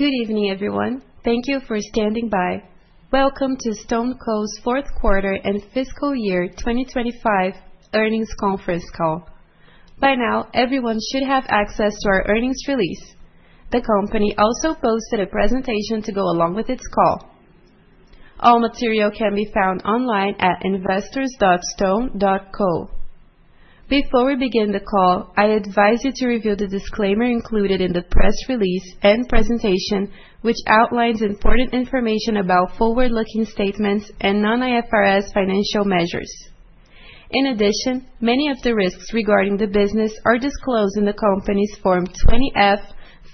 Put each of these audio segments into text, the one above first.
Good evening, everyone. Thank you for standing by. Welcome to StoneCo's fourth quarter and fiscal year 2025 earnings conference call. By now, everyone should have access to our earnings release. The company also posted a presentation to go along with its call. All material can be found online at investors.stone.co. Before we begin the call, I advise you to review the disclaimer included in the press release and presentation, which outlines important information about forward-looking statements and non-IFRS financial measures. In addition, many of the risks regarding the business are disclosed in the company's Form 20-F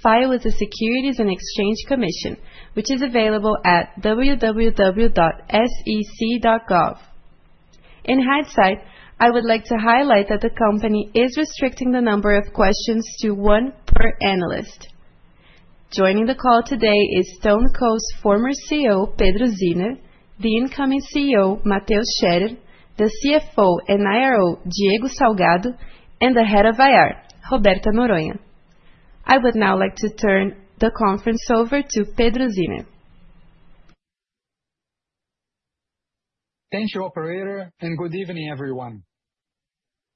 filed with the Securities and Exchange Commission, which is available at www.sec.gov. In hindsight, I would like to highlight that the company is restricting the number of questions to 1 per analyst. Joining the call today is StoneCo's former CEO, Pedro Zinner, the incoming CEO, Mateus Scherer, the CFO and IRO, Diego Salgado, and the Head of IR, Roberta Noronha. I would now like to turn the conference over to Pedro Zinner. Thank you, operator. Good evening, everyone.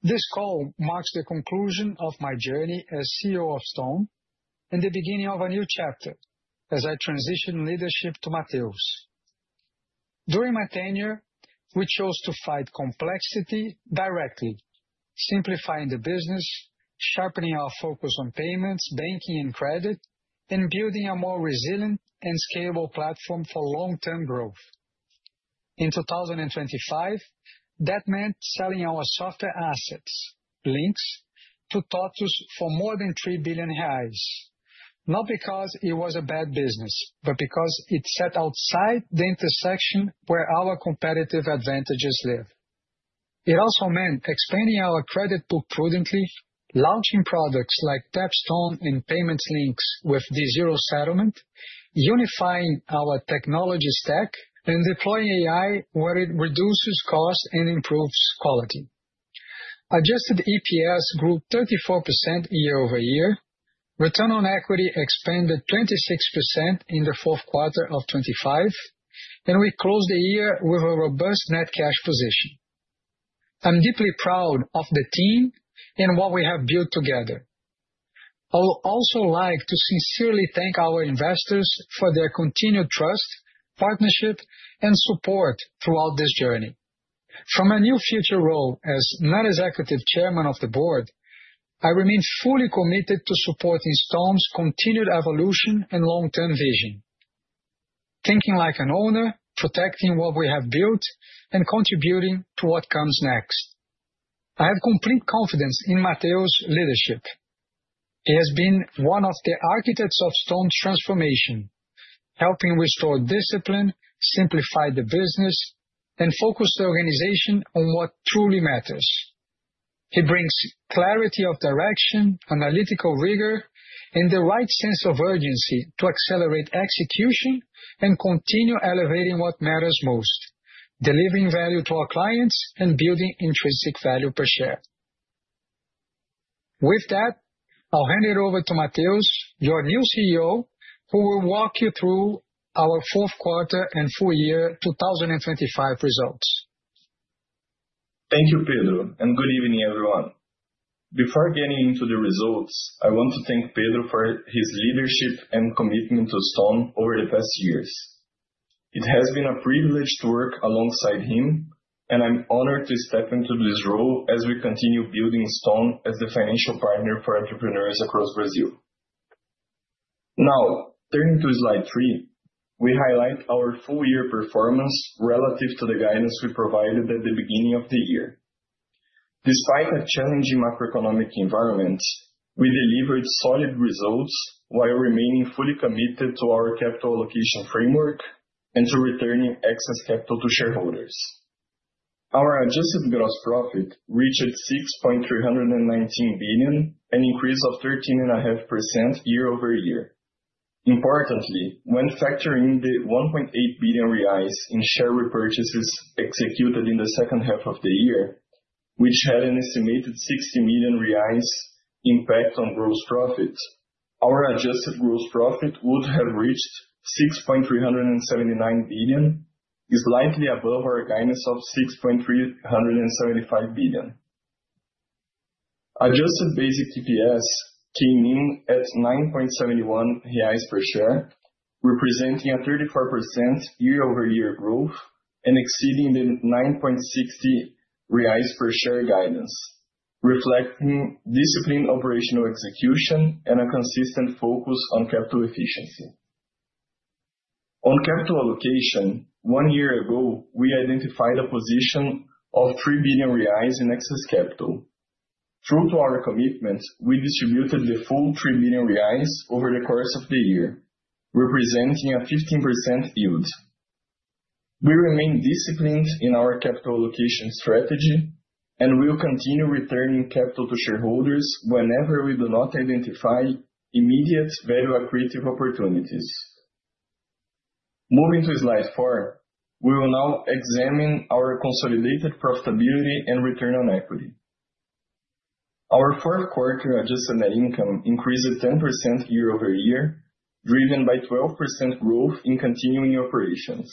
This call marks the conclusion of my journey as CEO of StoneCo and the beginning of a new chapter as I transition leadership to Mateus. During my tenure, we chose to fight complexity directly, simplifying the business, sharpening our focus on payments, banking, and credit, and building a more resilient and scalable platform for long-term growth. In 2025, that meant selling our software assets, Linx, to TOTVS for more than 3 billion reais. Not because it was a bad business, because it sat outside the intersection where our competitive advantages live. It also meant expanding our credit book prudently, launching products like TapTon and Payments Links with the zero settlement, unifying our technology stack, and deploying AI where it reduces cost and improves quality. Adjusted EPS grew 34% year-over-year. Return on equity expanded 26% in the fourth quarter of 2025. We closed the year with a robust net cash position. I'm deeply proud of the team and what we have built together. I would also like to sincerely thank our investors for their continued trust, partnership, and support throughout this journey. From my new future role as non-executive chairman of the board, I remain fully committed to supporting Stone's continued evolution and long-term vision, thinking like an owner, protecting what we have built, and contributing to what comes next. I have complete confidence in Mateus' leadership. He has been one of the architects of Stone's transformation, helping restore discipline, simplify the business, and focus the organization on what truly matters. He brings clarity of direction, analytical rigor, and the right sense of urgency to accelerate execution and continue elevating what matters most, delivering value to our clients and building intrinsic value per share. With that, I'll hand it over to Mateus, your new CEO, who will walk you through our fourth quarter and full year 2025 results. Thank you, Pedro, and good evening, everyone. Before getting into the results, I want to thank Pedro for his leadership and commitment to Stone over the past years. It has been a privilege to work alongside him, and I'm honored to step into this role as we continue building Stone as the financial partner for entrepreneurs across Brazil. Now, turning to slide three, we highlight our full year performance relative to the guidance we provided at the beginning of the year. Despite a challenging macroeconomic environment, we delivered solid results while remaining fully committed to our capital allocation framework and to returning excess capital to shareholders. Our adjusted gross profit reached 6.319 billion, an increase of 13.5% year-over-year. Importantly, when factoring the 1.8 billion reais in share repurchases executed in the second half of the year, which had an estimated 60 million reais impact on gross profits, our adjusted gross profit would have reached 6.379 billion, slightly above our guidance of 6.375 billion. Adjusted basic DPS came in at 9.71 reais per share, representing a 34% year-over-year growth and exceeding the 9.60 reais per share guidance, reflecting disciplined operational execution and a consistent focus on capital efficiency. On capital allocation, 1 year ago, we identified a position of 3 billion reais in excess capital. True to our commitment, we distributed the full 3 billion reais over the course of the year, representing a 15% yield. We remain disciplined in our capital allocation strategy and will continue returning capital to shareholders whenever we do not identify immediate value-accretive opportunities. Moving to slide 4, we will now examine our consolidated profitability and return on equity. Our fourth quarter adjusted net income increased 10% year-over-year, driven by 12% growth in continuing operations.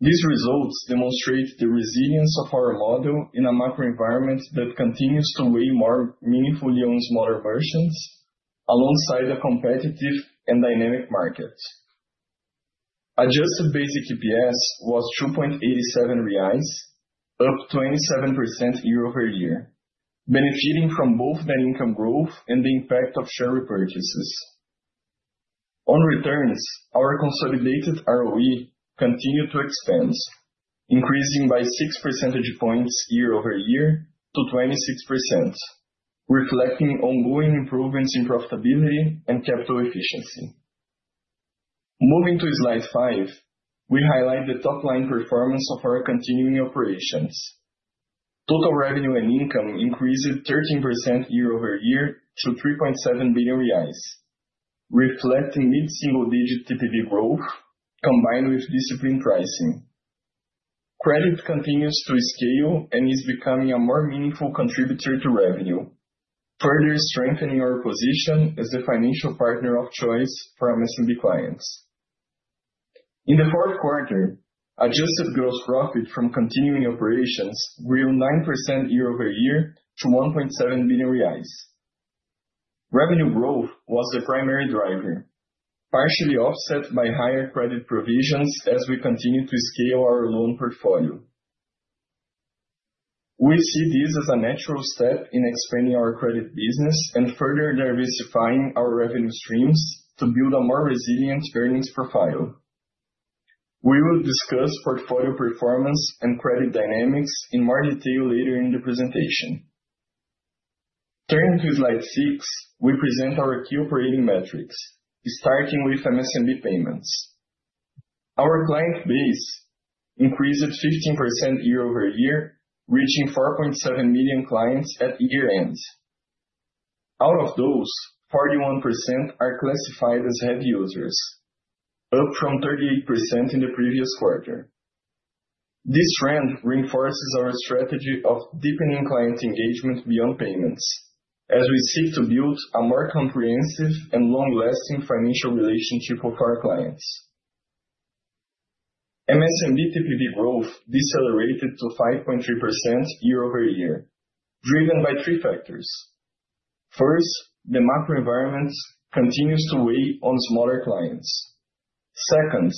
These results demonstrate the resilience of our model in a macro environment that continues to weigh more meaningfully on smaller versions alongside a competitive and dynamic market. Adjusted basic EPS was 2.87 reais, up 27% year-over-year, benefiting from both net income growth and the impact of share repurchases. On returns, our consolidated ROE continued to expand, increasing by 6 percentage points year-over-year to 26%, reflecting ongoing improvements in profitability and capital efficiency. Moving to slide 5, we highlight the top-line performance of our continuing operations. Total revenue and income increased 13% year-over-year to BRL 3.7 billion, reflecting mid-single-digit TPV growth combined with disciplined pricing. Credit continues to scale and is becoming a more meaningful contributor to revenue, further strengthening our position as the financial partner of choice for our MSMB clients. In the fourth quarter, adjusted gross profit from continuing operations grew 9% year-over-year to 1.7 billion reais. Revenue growth was the primary driver, partially offset by higher credit provisions as we continue to scale our loan portfolio. We see this as a natural step in expanding our credit business and further diversifying our revenue streams to build a more resilient earnings profile. We will discuss portfolio performance and credit dynamics in more detail later in the presentation. Turning to slide 6, we present our key operating metrics, starting with MSMB payments. Our client base increased 15% year-over-year, reaching 4.7 million clients at year-end. Out of those, 41% are classified as heavy users, up from 38% in the previous quarter. This trend reinforces our strategy of deepening client engagement beyond payments as we seek to build a more comprehensive and long-lasting financial relationship with our clients. MSMB TPV growth decelerated to 5.3% year-over-year, driven by three factors. First, the macro environment continues to weigh on smaller clients. Second,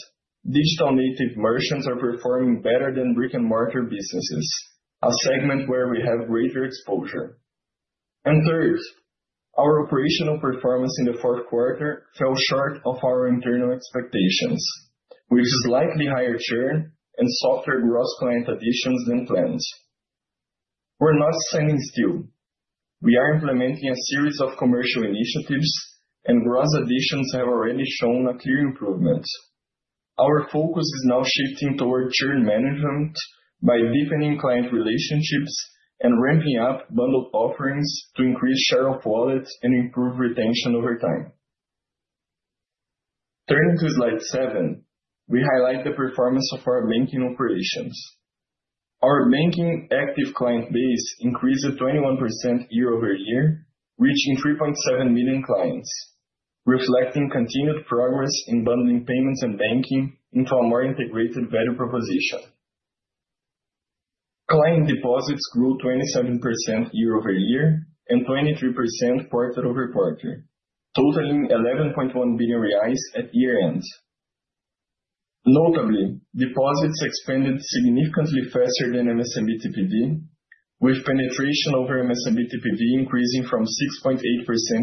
digital native merchants are performing better than brick-and-mortar businesses, a segment where we have greater exposure. And third, our operational performance in the fourth quarter fell short of our internal expectations, with slightly higher churn and softer gross client additions than planned. We're not standing still. We are implementing a series of commercial initiatives, and gross additions have already shown a clear improvement. Our focus is now shifting toward churn management by deepening client relationships and ramping up bundled offerings to increase share of wallet and improve retention over time. Turning to slide 7, we highlight the performance of our banking operations. Our banking active client base increased 21% year-over-year, reaching 3.7 million clients, reflecting continued progress in bundling payments and banking into a more integrated value proposition. Client deposits grew 27% year-over-year and 23% quarter-over-quarter, totaling BRL 11.1 billion at year-end. Notably, deposits expanded significantly faster than MSMB TPV, with penetration over MSMB TPV increasing from 6.8%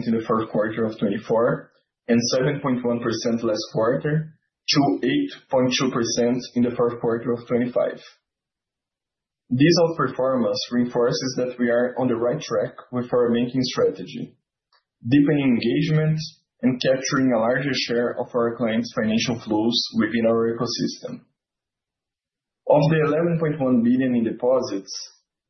in the Q4 2024 and 7.1% last quarter to 8.2% in the Q4 2025. This outperformance reinforces that we are on the right track with our banking strategy, deepening engagement and capturing a larger share of our clients' financial flows within our ecosystem. Of the 11.1 billion in deposits,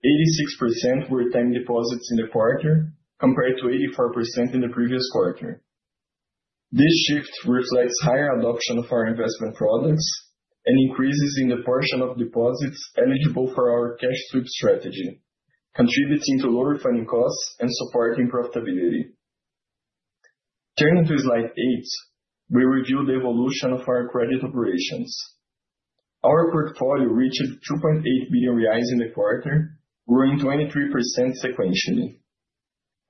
86% were time deposits in the quarter, compared to 84% in the previous quarter. This shift reflects higher adoption of our investment products and increases in the portion of deposits eligible for our cash sweep strategy, contributing to lower funding costs and supporting profitability. Turning to slide 8, we review the evolution of our credit operations. Our portfolio reached 2.8 billion reais in the quarter, growing 23% sequentially.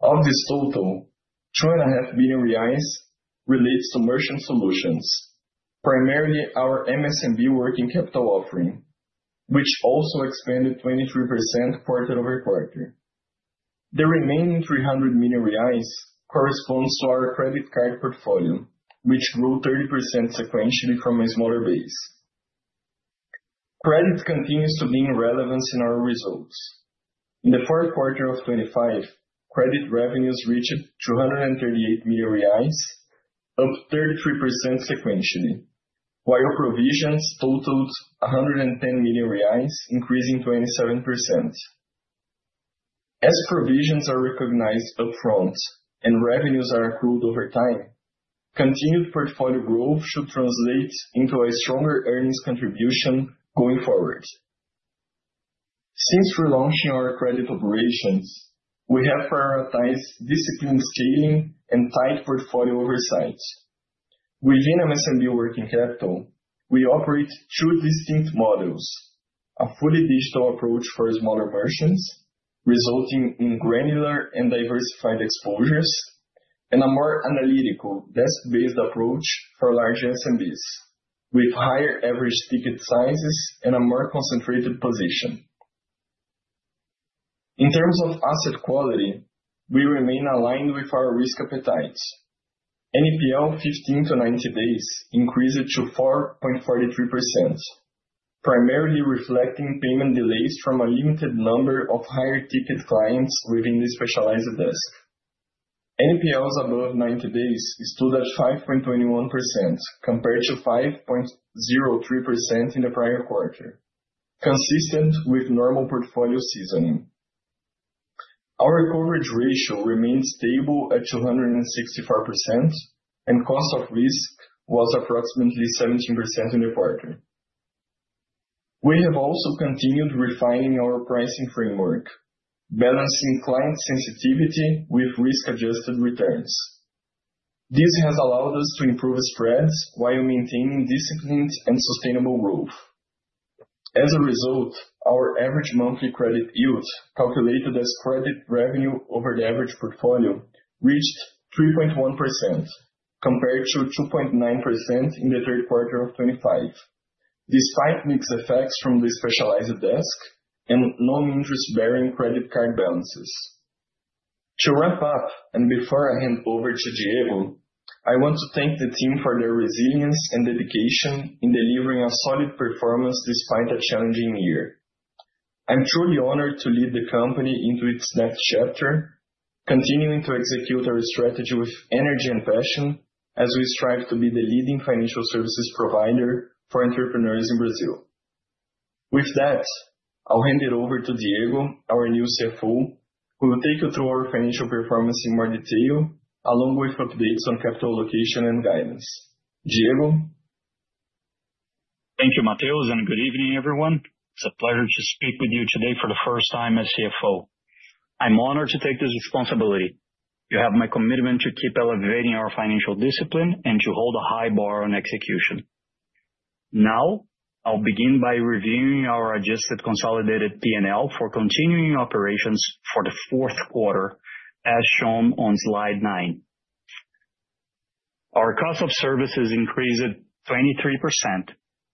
Of this total, 2.5 billion reais relates to merchant solutions, primarily our MSMB working capital offering, which also expanded 23% quarter-over-quarter. The remaining 300 million reais corresponds to our credit card portfolio, which grew 30% sequentially from a smaller base. Credit continues to gain relevance in our results. In Q4 2025, credit revenues reached 238 million reais, up 33% sequentially, while provisions totaled 110 million reais, increasing 27%. As provisions are recognized upfront and revenues are accrued over time, continued portfolio growth should translate into a stronger earnings contribution going forward. Since relaunching our credit operations, we have prioritized disciplined scaling and tight portfolio oversight. Within MSMB working capital, we operate two distinct models. A fully digital approach for smaller merchants, resulting in granular and diversified exposures, and a more analytical desk-based approach for large SMBs with higher average ticket sizes and a more concentrated position. In terms of asset quality, we remain aligned with our risk appetites. NPL 15 to 90 days increased to 4.43%, primarily reflecting payment delays from a limited number of higher-ticket clients within the specialized desk. NPLs above 90 days stood at 5.21% compared to 5.03% in the prior quarter, consistent with normal portfolio seasoning. Our coverage ratio remains stable at 264%, and cost of risk was approximately 17% in the quarter. We have also continued refining our pricing framework, balancing client sensitivity with risk-adjusted returns. This has allowed us to improve spreads while maintaining disciplined and sustainable growth. As a result, our average monthly credit yield, calculated as credit revenue over the average portfolio, reached 3.1% compared to 2.9% in the third quarter of 2025, despite mixed effects from the specialized desk and non-interest bearing credit card balances. To wrap up, before I hand over to Diego, I want to thank the team for their resilience and dedication in delivering a solid performance despite a challenging year. I'm truly honored to lead the company into its next chapter, continuing to execute our strategy with energy and passion as we strive to be the leading financial services provider for entrepreneurs in Brazil. I'll hand it over to Diego, our new CFO, who will take you through our financial performance in more detail, along with updates on capital allocation and guidance. Diego. Thank you, Mateus. Good evening, everyone. It's a pleasure to speak with you today for the first time as CFO. I'm honored to take this responsibility. You have my commitment to keep elevating our financial discipline and to hold a high bar on execution. I'll begin by reviewing our adjusted consolidated P&L for continuing operations for the fourth quarter, as shown on slide 9. Our cost of services increased 23%,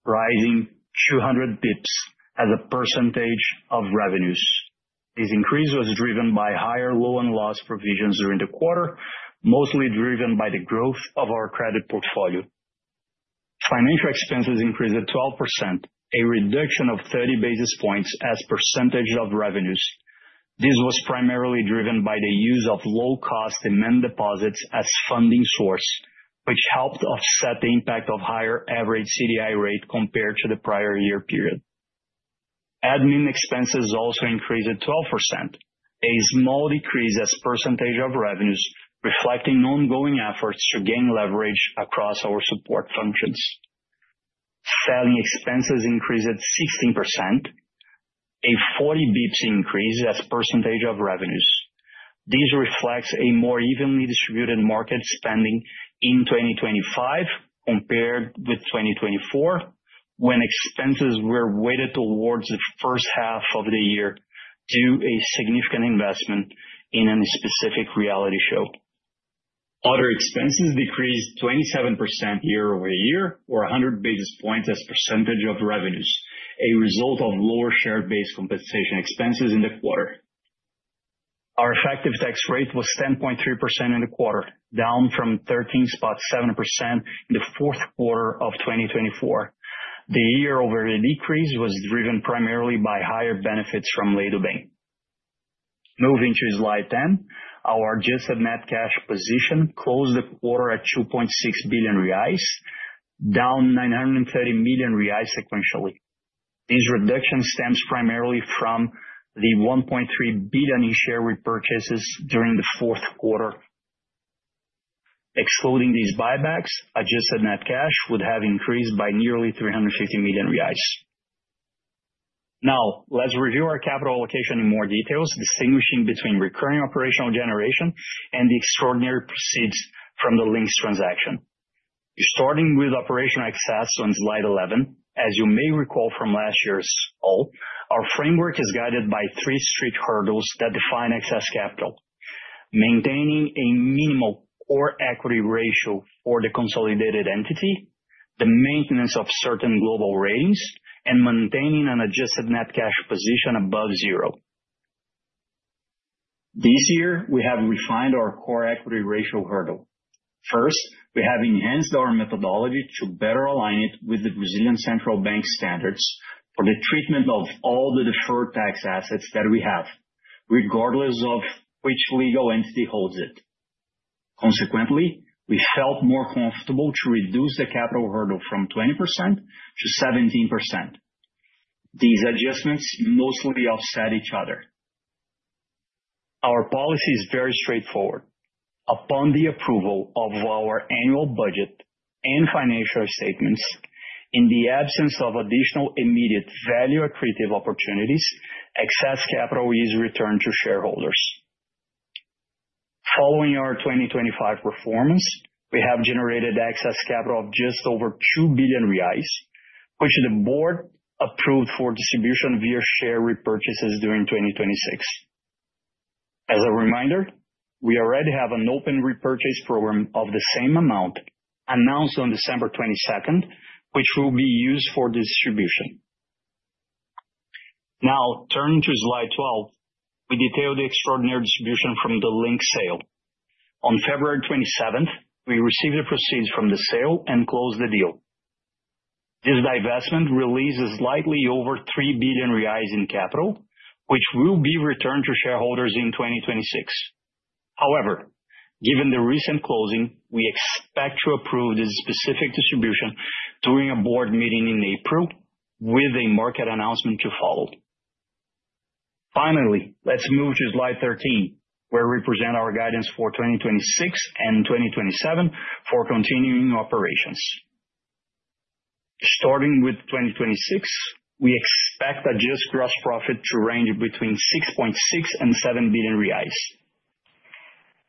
rising 200 bips as a percentage of revenues. This increase was driven by higher loan loss provisions during the quarter, mostly driven by the growth of our credit portfolio. Financial expenses increased 12%, a reduction of 30 basis points as percentage of revenues. This was primarily driven by the use of low-cost demand deposits as funding source, which helped offset the impact of higher average CDI rate compared to the prior year period. Admin expenses also increased 12%, a small decrease as percentage of revenues, reflecting ongoing efforts to gain leverage across our support functions. Selling expenses increased 16%, a 40 basis points increase as percentage of revenues. This reflects a more evenly distributed market spending in 2025 compared with 2024, when expenses were weighted towards the first half of the year due to a significant investment in a specific reality show. Other expenses decreased 27% year-over-year or 100 basis points as percentage of revenues, a result of lower share-based compensation expenses in the quarter. Our effective tax rate was 10.3% in the quarter, down from 13.7% in the fourth quarter of 2024. The year-over-year decrease was driven primarily by higher benefits from Lei do Bem. Moving to slide 10, our adjusted net cash position closed the quarter at 2.6 billion reais, down 930 million reais sequentially. This reduction stems primarily from the 1.3 billion in share repurchases during the fourth quarter. Excluding these buybacks, adjusted net cash would have increased by nearly 350 million reais. Now, let's review our capital allocation in more details, distinguishing between recurring operational generation and the extraordinary proceeds from the Linx transaction. Starting with operational excess on slide 11, as you may recall from last year's call, our framework is guided by three strict hurdles that define excess capital: maintaining a minimal core equity ratio for the consolidated entity, the maintenance of certain global rates, and maintaining an adjusted net cash position above zero. This year, we have refined our core equity ratio hurdle. First, we have enhanced our methodology to better align it with the Brazilian Central Bank standards for the treatment of all the deferred tax assets that we have, regardless of which legal entity holds it. We felt more comfortable to reduce the capital hurdle from 20% to 17%. These adjustments mostly offset each other. Our policy is very straightforward. Upon the approval of our annual budget and financial statements, in the absence of additional immediate value accretive opportunities, excess capital is returned to shareholders. Following our 2025 performance, we have generated excess capital of just over 2 billion reais, which the board approved for distribution via share repurchases during 2026. As a reminder, we already have an open repurchase program of the same amount announced on December 22nd, which will be used for distribution. Turning to slide 12, we detail the extraordinary distribution from the Linx sale. On February 27th, we received the proceeds from the sale and closed the deal. This divestment releases slightly over 3 billion reais in capital, which will be returned to shareholders in 2026. Given the recent closing, we expect to approve this specific distribution during a board meeting in April with a market announcement to follow. Let's move to slide 13, where we present our guidance for 2026 and 2027 for continuing operations. Starting with 2026, we expect adjusted gross profit to range between 6.6 billion and 7 billion reais.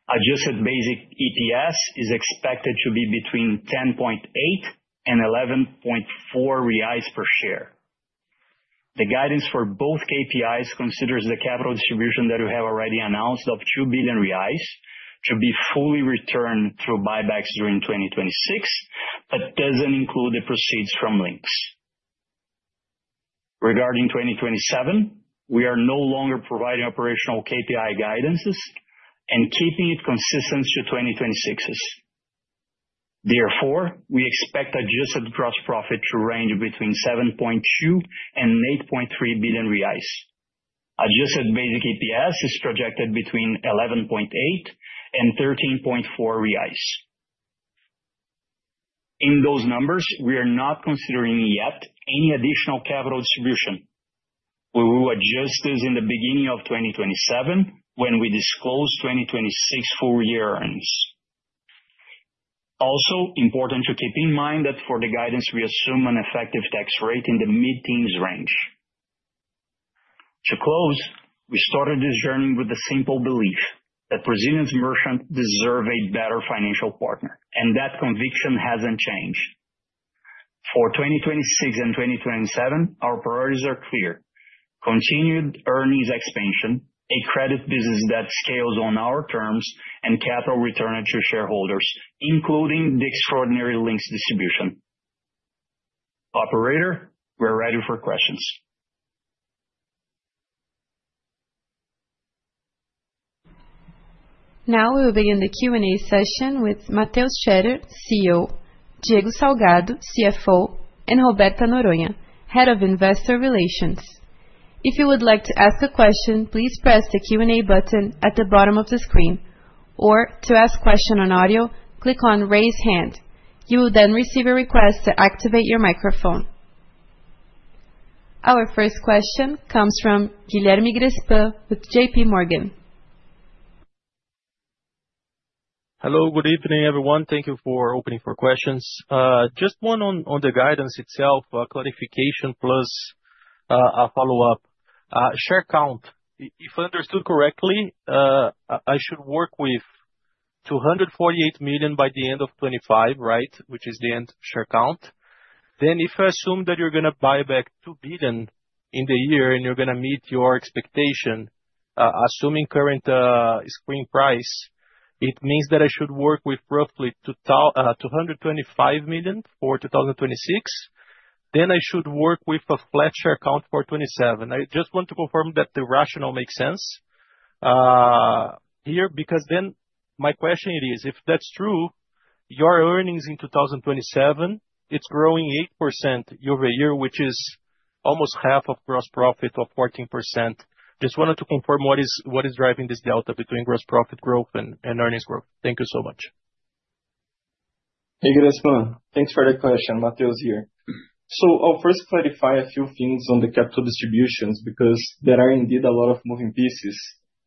Adjusted basic EPS is expected to be between 10.8 and 11.4 reais per share. The guidance for both KPIs considers the capital distribution that we have already announced of 2 billion reais to be fully returned through buybacks during 2026, but doesn't include the proceeds from Linx. Regarding 2027, we are no longer providing operational KPI guidances and keeping it consistent to 2026's. Therefore, we expect adjusted gross profit to range between 7.2 billion-8.3 billion reais. Adjusted basic EPS is projected between 11.8-13.4 reais. In those numbers, we are not considering yet any additional capital distribution. We will adjust this in the beginning of 2027 when we disclose 2026 full year earnings. Also important to keep in mind that for the guidance we assume an effective tax rate in the mid-teens range. To close, we started this journey with the simple belief that Brazilian merchants deserve a better financial partner, and that conviction hasn't changed. For 2026 and 2027, our priorities are clear. Continued earnings expansion, a credit business that scales on our terms, and capital return to shareholders, including the extraordinary Linx distribution. Operator, we're ready for questions. We'll begin the Q&A session with Mateus Chedid, CEO, Diego Salgado, CFO, and Roberta Noronha, Head of Investor Relations. If you would like to ask a question, please press the Q&A button at the bottom of the screen. To ask question on audio, click on Raise Hand. You will receive a request to activate your microphone. Our first question comes from Guilherme Grespan with JPMorgan. Hello. Good evening, everyone. Thank you for opening for questions. Just one on the guidance itself, clarification plus, a follow-up. Share count. If understood correctly, I should work with 248 million by the end of 2025, right? Which is the end share count. If I assume that you're gonna buy back $2 billion in the year and you're gonna meet your expectation, assuming current screen price, it means that I should work with roughly 225 million for 2026. I should work with a flat share count for 2027. I just want to confirm that the rationale makes sense here. My question is, if that's true, your earnings in 2027, it's growing 8% year-over-year, which is almost half of gross profit of 14%. Just wanted to confirm what is driving this delta between gross profit growth and earnings growth. Thank you so much. Hey, Grespan. Thanks for that question. Mateus here. I'll first clarify a few things on the capital distributions, because there are indeed a lot of moving pieces.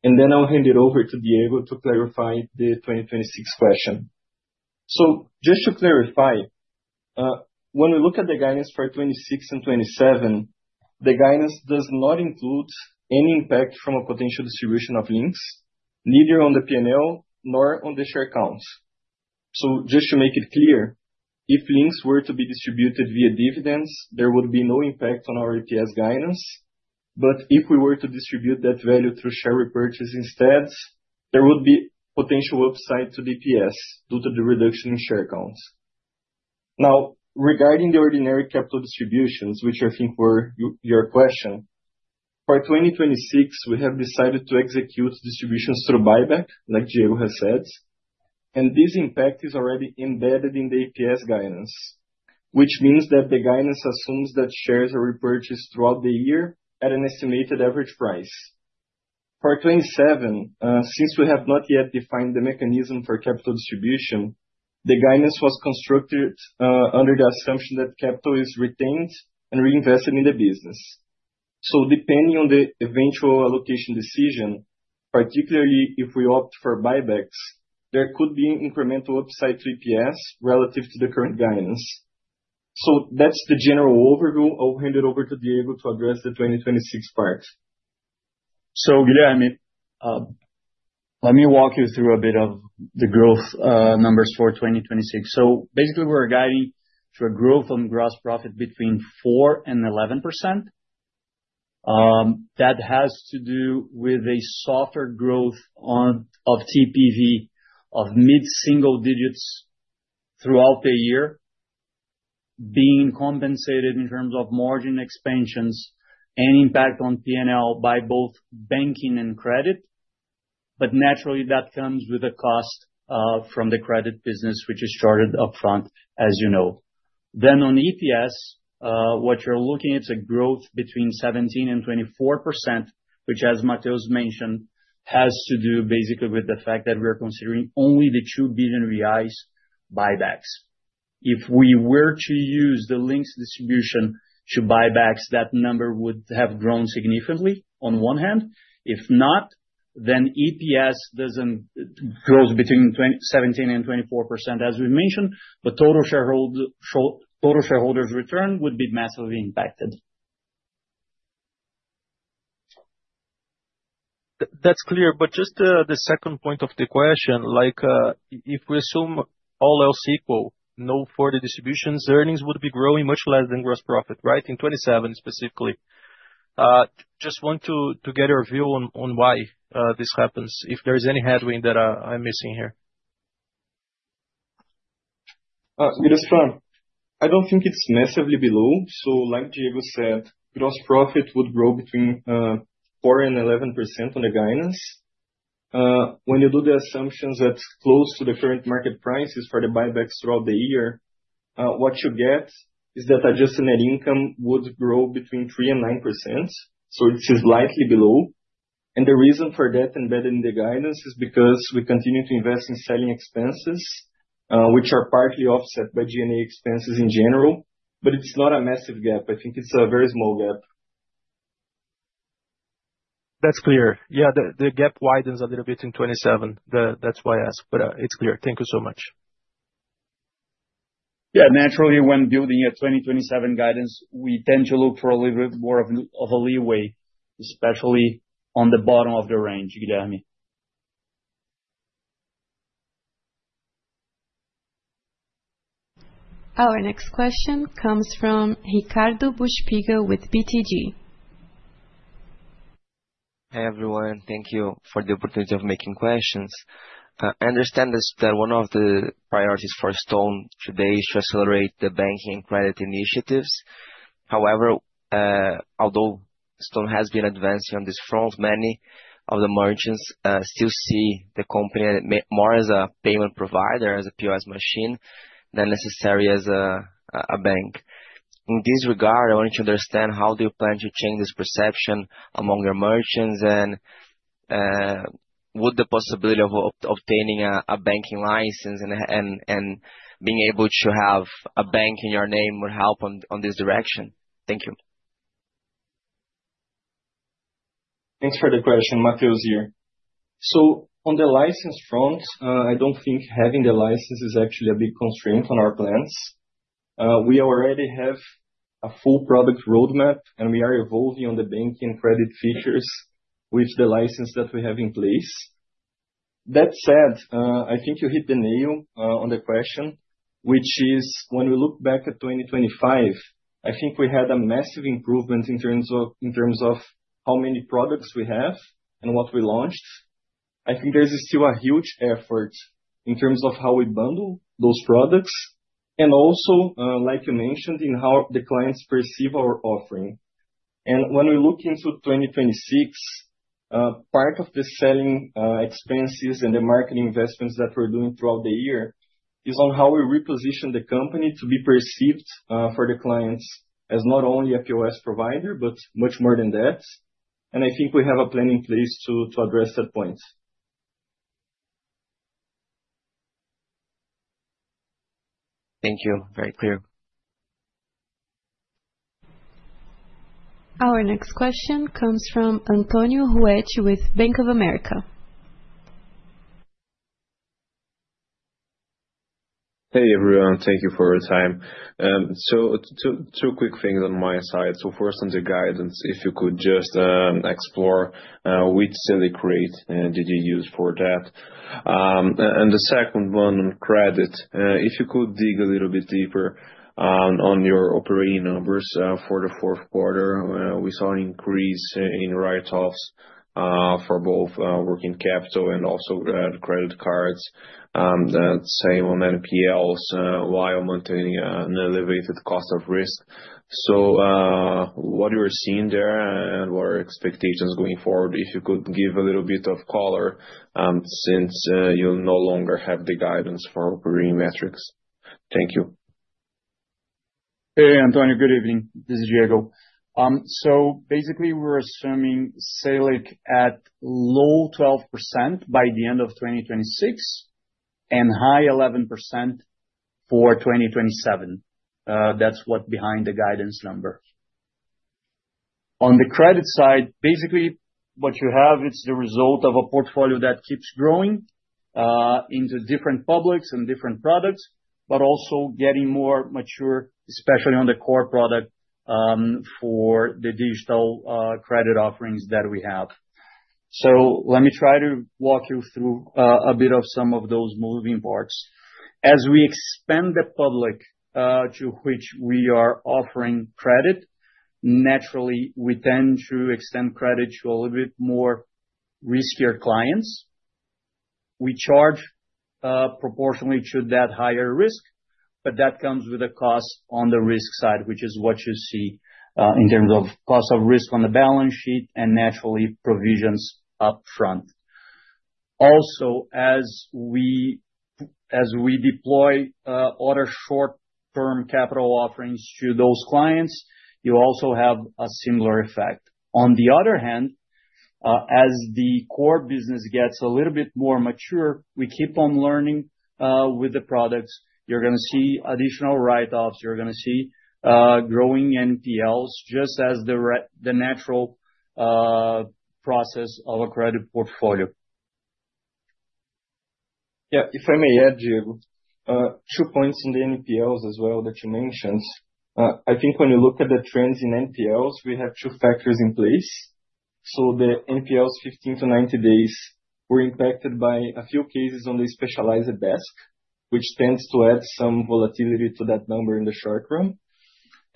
Then I'll hand it over to Diego to clarify the 2026 question. Just to clarify, when we look at the guidance for 2026 and 2027, the guidance does not include any impact from a potential distribution of Linx, neither on the P&L nor on the share count. Just to make it clear, if Linx were to be distributed via dividends, there would be no impact on our EPS guidance. If we were to distribute that value through share repurchase instead, there would be potential upside to the EPS due to the reduction in share counts. Regarding the ordinary capital distributions, which I think were your question, for 2026, we have decided to execute distributions through buyback, like Diego has said, and this impact is already embedded in the EPS guidance. Which means that the guidance assumes that shares are repurchased throughout the year at an estimated average price. For 2027, since we have not yet defined the mechanism for capital distribution, the guidance was constructed under the assumption that capital is retained and reinvested in the business. Depending on the eventual allocation decision, particularly if we opt for buybacks, there could be incremental upside to EPS relative to the current guidance. That's the general overview. I'll hand it over to Diego to address the 2026 parts. Guilherme Grespan, let me walk you through a bit of the growth numbers for 2026. Basically we're guiding for growth on gross profit between 4% and 11%. That has to do with a softer growth of TPV of mid-single digits throughout the year being compensated in terms of margin expansions and impact on PNL by both banking and credit. Naturally, that comes with a cost from the credit business, which is charted upfront, as you know. On EPS, what you're looking at a growth between 17% and 24%, which as Mateus Chedid mentioned, has to do basically with the fact that we are considering only the 2 billion reais buybacks. If we were to use the Linx distribution to buybacks, that number would have grown significantly on one hand. If not, then EPS doesn't grow between 17 and 24%, as we mentioned, but total shareholders return would be massively impacted. That's clear. Just, the second point of the question, like, if we assume all else equal, no further distributions, earnings would be growing much less than gross profit, right? In 27 specifically. Just want to get your view on why this happens, if there's any headwind that I'm missing here. Gudestran, I don't think it's massively below. Like Diego said, gross profit would grow between 4% and 11% on the guidance. When you do the assumptions that's close to the current market prices for the buybacks throughout the year, what you get is that adjusted net income would grow between 3% and 9%, so which is slightly below. The reason for that embedded in the guidance is because we continue to invest in selling expenses, which are partly offset by G&A expenses in general. It's not a massive gap. I think it's a very small gap. That's clear. Yeah, the gap widens a little bit in 2027. That's why I ask, but it's clear. Thank you so much. Yeah. Naturally, when building a 2027 guidance, we tend to look for a little bit more of a leeway, especially on the bottom of the range, Guilherme. Our next question comes from Eduardo Rosman with BTG. Hi, everyone. Thank you for the opportunity of making questions. I understand this, that one of the priorities for Stone today is to accelerate the banking credit initiatives. However, although Stone has been advancing on this front, many of the merchants still see the company more as a payment provider, as a POS machine than necessary as a bank. In this regard, I want to understand how do you plan to change this perception among your merchants and would the possibility of obtaining a banking license and being able to have a bank in your name would help on this direction? Thank you. Thanks for the question. Mateus here. On the license front, I don't think having the license is actually a big constraint on our plans. We already have a full product roadmap, and we are evolving on the banking credit features with the license that we have in place. That said, I think you hit the nail on the question, which is when we look back at 2025, I think we had a massive improvement in terms of how many products we have and what we launched. I think there's still a huge effort in terms of how we bundle those products and also, like you mentioned, in how the clients perceive our offering. When we look into 2026, part of the selling expenses and the marketing investments that we're doing throughout the year is on how we reposition the company to be perceived for the clients as not only a POS provider, but much more than that. I think we have a plan in place to address that point. Thank you. Very clear. Our next question comes from Mario Pierry with Bank of America. Hey, everyone. Thank you for your time. Two quick things on my side. First on the guidance, if you could just explore which in the create did you use for that? And the second one on credit, if you could dig a little bit deeper on your operating numbers for the fourth quarter, we saw an increase in write-offs for both working capital and also credit cards, that same on NPLs while maintaining an elevated cost of risk. What you are seeing there and what are expectations going forward, if you could give a little bit of color since you'll no longer have the guidance for operating metrics. Thank you. Hey Mario, good evening. This is Diego. Basically we're assuming Selic at low 12% by the end of 2026, and high 11% for 2027. That's what behind the guidance number. On the credit side, basically what you have it's the result of a portfolio that keeps growing into different publics and different products, but also getting more mature, especially on the core product, for the digital credit offerings that we have. Let me try to walk you through a bit of some of those moving parts. As we expand the public to which we are offering credit, naturally we tend to extend credit to a little bit more riskier clients. We charge proportionally to that higher risk, but that comes with a cost on the risk side, which is what you see in terms of cost of risk on the balance sheet and naturally provisions up front. Also, as we deploy other short term capital offerings to those clients, you also have a similar effect. On the other hand, as the core business gets a little bit more mature, we keep on learning with the products. You're gonna see additional write-offs, you're gonna see growing NPLs just as the natural process of a credit portfolio. Yeah, if I may add, Diego, 2 points in the NPLs as well that you mentioned. I think when you look at the trends in NPLs, we have 2 factors in place. The NPLs 15-90 days were impacted by a few cases on the specialized desk, which tends to add some volatility to that number in the short run.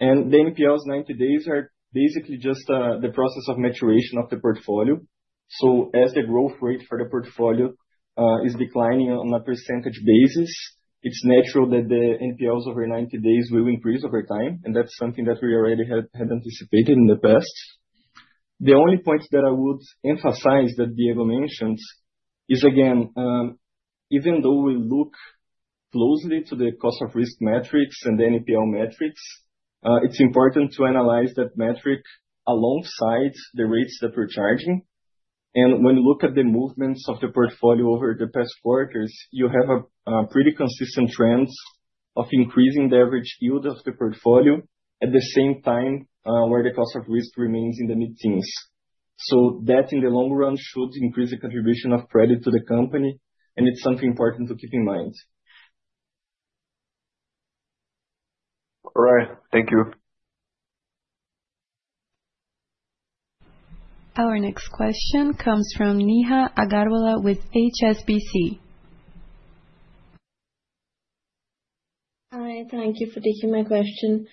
The NPLs 90 days are basically just the process of maturation of the portfolio. As the growth rate for the portfolio is declining on a percentage basis, it's natural that the NPLs over 90 days will increase over time, and that's something that we already had anticipated in the past. The only point that I would emphasize that Diego mentioned is again, even though we look closely to the cost of risk metrics and the NPL metrics, it's important to analyze that metric alongside the rates that we're charging. When you look at the movements of the portfolio over the past quarters, you have a pretty consistent trends of increasing the average yield of the portfolio at the same time, where the cost of risk remains in the mid-teens. That, in the long run, should increase the contribution of credit to the company, and it's something important to keep in mind. All right. Thank you. Our next question comes from Neha Agarwala with HSBC. Hi, thank you for taking my question.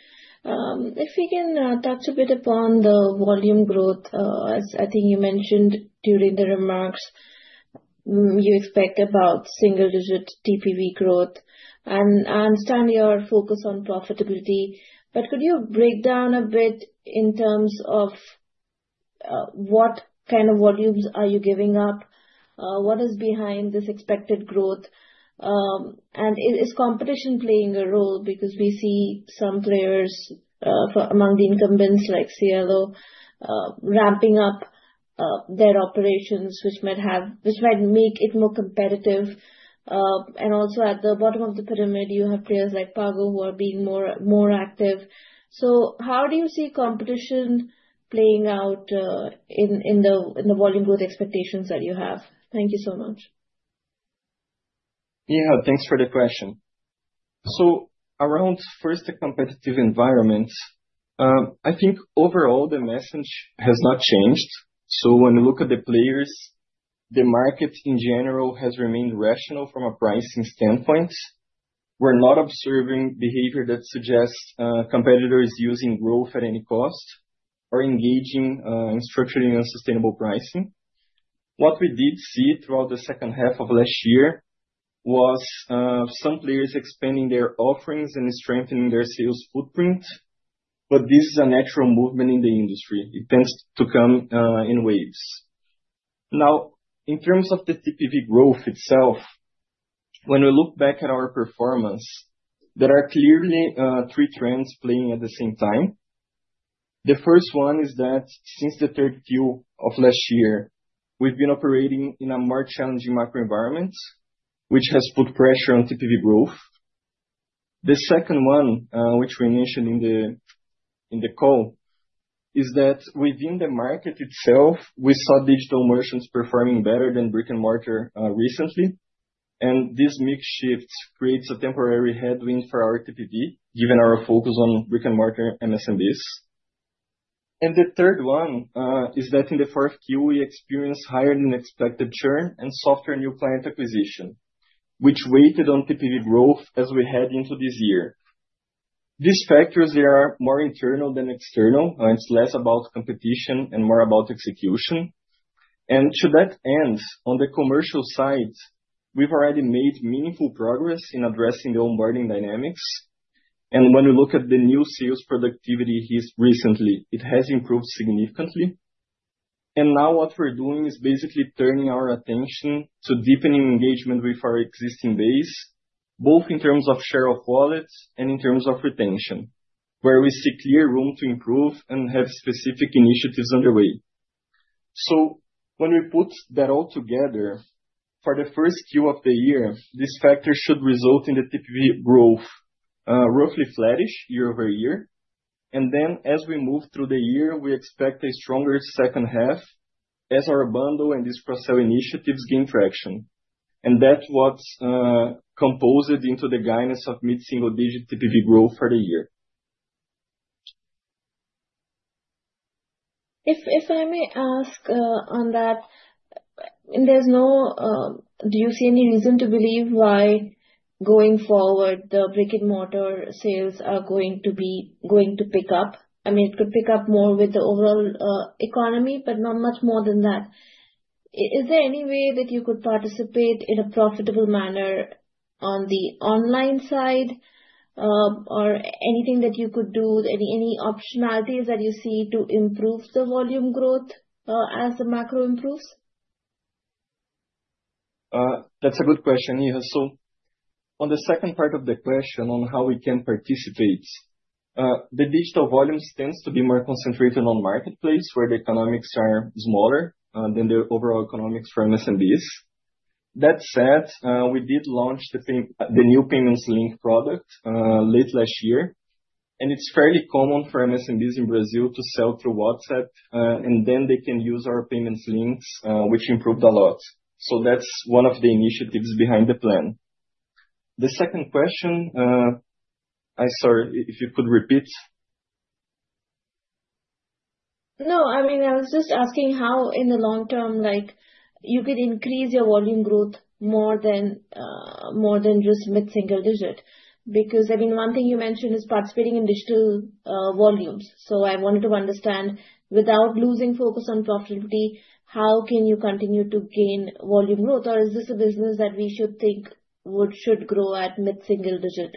If we can touch a bit upon the volume growth, as I think you mentioned during the remarks, you expect about single-digit TPV growth. I understand your focus on profitability, but could you break down a bit in terms of what kind of volumes are you giving up? What is behind this expected growth? Is competition playing a role because we see some players, for among the incumbents like Cielo, ramping up their operations, which might make it more competitive. Also at the bottom of the pyramid, you have players like Pag who are being more active. How do you see competition playing out in the volume growth expectations that you have? Thank you so much. Neha, thanks for the question. Around first the competitive environment, I think overall the message has not changed. When you look at the players, the market in general has remained rational from a pricing standpoint. We're not observing behavior that suggests competitors using growth at any cost or engaging in structuring unsustainable pricing. What we did see throughout the second half of last year was some players expanding their offerings and strengthening their sales footprint. This is a natural movement in the industry. It tends to come in waves. In terms of the TPV growth itself, when we look back at our performance, there are clearly 3 trends playing at the same time. The first one is that since the third Q of last year, we've been operating in a more challenging macro environment, which has put pressure on TPV growth. The second one, which we mentioned in the, in the call, is that within the market itself, we saw digital merchants performing better than brick-and-mortar recently. This mix shift creates a temporary headwind for our TPV, given our focus on brick-and-mortar MSMEs. The third one is that in the fourth Q, we experienced higher than expected churn and softer new client acquisition, which weighted on TPV growth as we head into this year. These factors, they are more internal than external, it's less about competition and more about execution. To that end, on the commercial side, we've already made meaningful progress in addressing the onboarding dynamics. When we look at the new sales productivity here recently, it has improved significantly. Now what we're doing is basically turning our attention to deepening engagement with our existing base, both in terms of share of wallets and in terms of retention, where we see clear room to improve and have specific initiatives underway. When we put that all together, for the first Q of the year, this factor should result in the TPV growth roughly flattish year-over-year. Then as we move through the year, we expect a stronger second half as our bundle and these cross-sell initiatives gain traction. That's what's composed into the guidance of mid-single digit TPV growth for the year. If I may ask on that, do you see any reason to believe why going forward, the brick-and-mortar sales are going to pick up? I mean, it could pick up more with the overall economy, but not much more than that. Is there any way that you could participate in a profitable manner on the online side, or anything that you could do, any optionalities that you see to improve the volume growth, as the macro improves? That's a good question, Neha. On the second part of the question on how we can participate, the digital volumes tends to be more concentrated on marketplace where the economics are smaller than the overall economics for SMBs. That said, we did launch the new payments link product late last year. It's fairly common for SMBs in Brazil to sell through WhatsApp, then they can use our payments links, which improved a lot. That's one of the initiatives behind the plan. The second question, I'm sorry, if you could repeat. No, I mean, I was just asking how in the long term, like, you could increase your volume growth more than more than just mid-single digit. I mean, one thing you mentioned is participating in digital volumes. I wanted to understand, without losing focus on profitability, how can you continue to gain volume growth? Is this a business that we should think should grow at mid-single digit?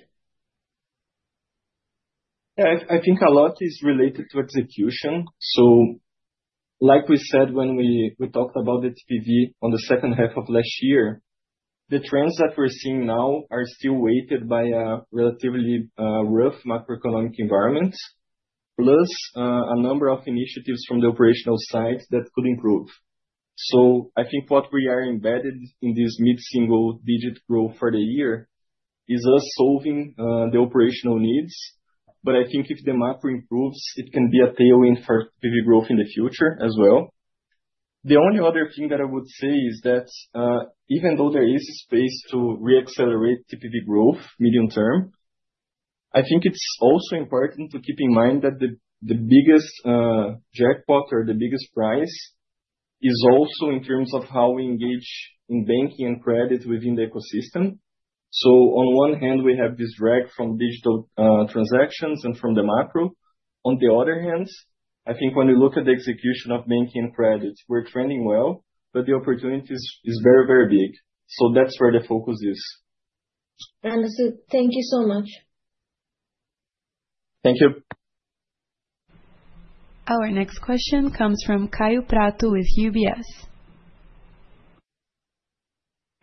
Yeah. I think a lot is related to execution. Like we said when we talked about the TPV on the second half of last year, the trends that we're seeing now are still weighted by a relatively rough macroeconomic environment, plus a number of initiatives from the operational side that could improve. I think what we are embedded in this mid-single digit growth for the year is us solving the operational needs. I think if the macro improves, it can be a tailwind for TPV growth in the future as well. The only other thing that I would say is that even though there is space to re-accelerate TPV growth medium term, I think it's also important to keep in mind that the biggest jackpot or the biggest prize is also in terms of how we engage in banking and credit within the ecosystem. On one hand, we have this drag from digital transactions and from the macro. On the other hand, I think when we look at the execution of banking credits, we're trending well, but the opportunity is very, very big. That's where the focus is. Understood. Thank you so much. Thank you. Our next question comes from Kaio Prato with UBS.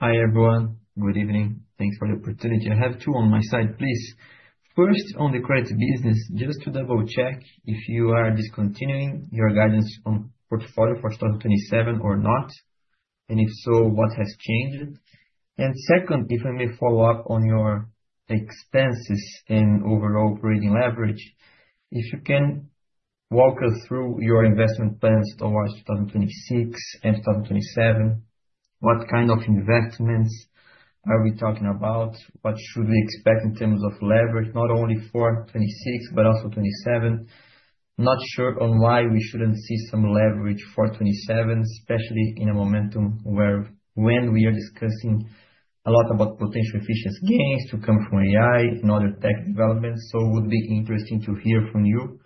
Hi, everyone. Good evening. Thanks for the opportunity. I have two on my side, please. First, on the credit business, just to double-check if you are discontinuing your guidance on portfolio for 2027 or not, and if so, what has changed? Second, if I may follow up on your expenses and overall operating leverage, if you can walk us through your investment plans towards 2026 and 2027, what kind of investments are we talking about? What should we expect in terms of leverage, not only for 26 but also 27? Not sure on why we shouldn't see some leverage for 27, especially in a momentum when we are discussing a lot about potential efficiency gains to come from AI and other tech developments. It would be interesting to hear from you,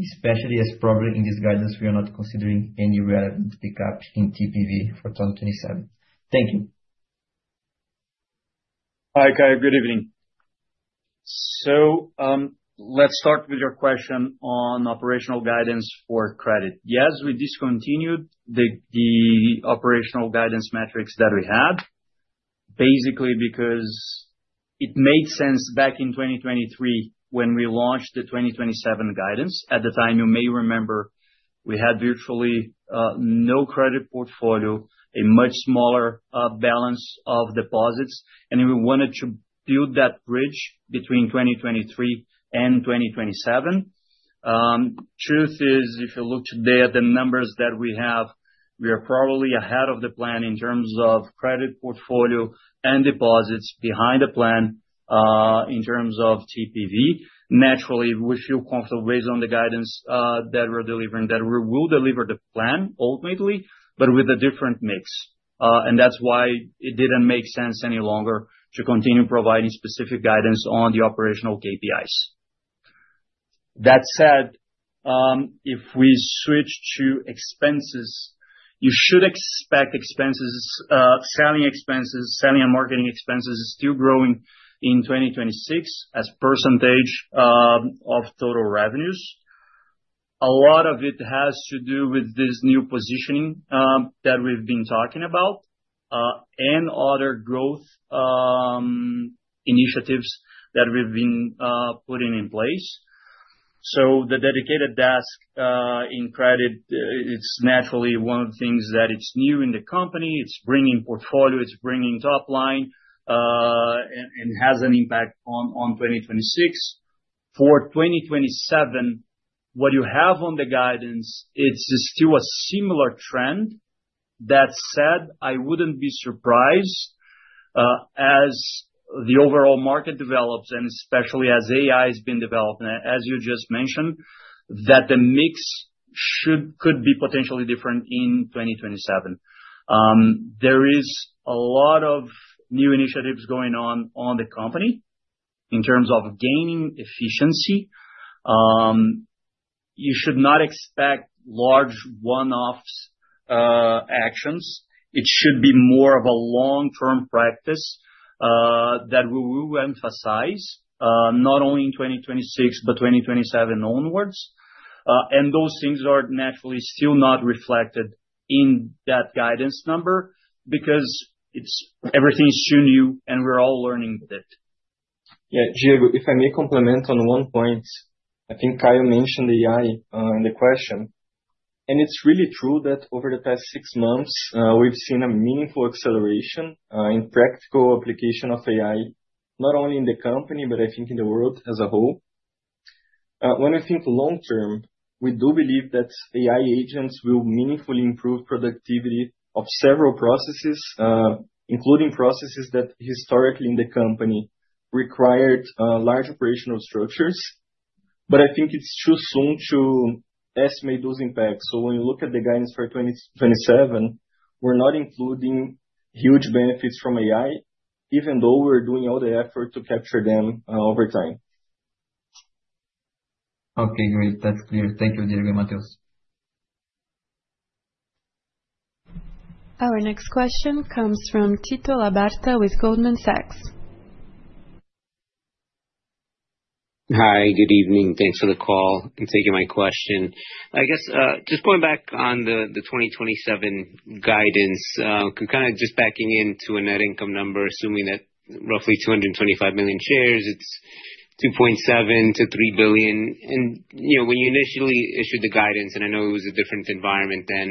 especially as probably in this guidance, we are not considering any relevant pick-up in TPV for 2027. Thank you. Hi, Kaio. Good evening. Let's start with your question on operational guidance for credit. Yes, we discontinued the operational guidance metrics that we had, basically because it made sense back in 2023 when we launched the 2027 guidance. At the time, you may remember, we had virtually no credit portfolio, a much smaller balance of deposits, and we wanted to build that bridge between 2023 and 2027. Truth is, if you look today at the numbers that we have, we are probably ahead of the plan in terms of credit portfolio and deposits behind the plan in terms of TPV. Naturally, we feel comfortable based on the guidance that we're delivering, that we will deliver the plan ultimately, but with a different mix. That's why it didn't make sense any longer to continue providing specific guidance on the operational KPIs. That said, if we switch to expenses You should expect expenses, selling expenses, selling and marketing expenses still growing in 2026 as percentage of total revenues. A lot of it has to do with this new positioning that we've been talking about and other growth initiatives that we've been putting in place. The dedicated desk in credit, it's naturally one of the things that it's new in the company, it's bringing portfolio, it's bringing top line, and has an impact on 2026. For 2027, what you have on the guidance, it's still a similar trend. That said, I wouldn't be surprised as the overall market develops and especially as AI has been developing, as you just mentioned, that the mix could be potentially different in 2027. There is a lot of new initiatives going on on the company in terms of gaining efficiency. You should not expect large one-offs actions. It should be more of a long-term practice that we will emphasize not only in 2026, but 2027 onwards. Those things are naturally still not reflected in that guidance number because everything is still new, and we're all learning with it. Diego, if I may complement on one point. I think Kaio mentioned AI in the question. It's really true that over the past six months, we've seen a meaningful acceleration in practical application of AI, not only in the company, but I think in the world as a whole. When I think long term, we do believe that AI agents will meaningfully improve productivity of several processes, including processes that historically in the company required large operational structures. I think it's too soon to estimate those impacts. When you look at the guidance for 2027, we're not including huge benefits from AI, even though we're doing all the effort to capture them over time. Okay, great. That's clear. Thank you, Diego and Mateus. Our next question comes from Tito Labarta with Goldman Sachs. Hi, good evening. Thanks for the call and taking my question. I guess, just going back on the 2027 guidance, kind of just backing into a net income number, assuming that roughly 225 million shares, it's $2.7 billion-$3 billion. You know, when you initially issued the guidance, and I know it was a different environment then,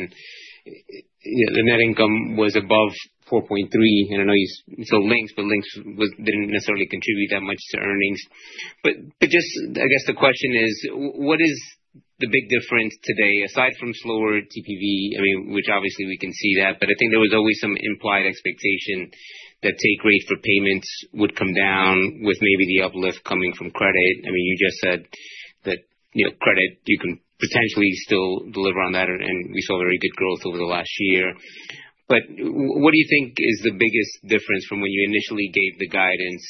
you know, the net income was above $4.3 billion. I know you sold Linx, but Linx didn't necessarily contribute that much to earnings. Just I guess the question is, what is the big difference today, aside from slower TPV, I mean, which obviously we can see that, but I think there was always some implied expectation that take rates for payments would come down with maybe the uplift coming from credit? I mean, you just said that, you know, credit, you can potentially still deliver on that, and we saw very good growth over the last year. What do you think is the biggest difference from when you initially gave the guidance